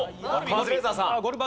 カズレーザーさん。